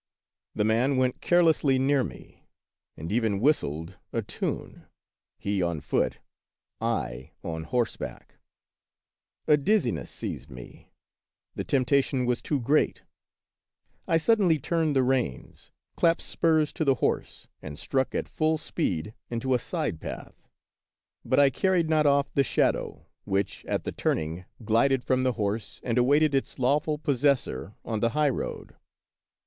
The man went carelessly near me, and even whistled a tune, — he on foot, I on horseback. 88 The Wonderful History A dizziness seized me ; the temptation was too great ; I suddenly turned the reins, clapped spurs to the horse, and struck at full speed into a side path. But I carried not off the shadow, which at the turning glided from the horse and awaited its lawful possessor on the highroad.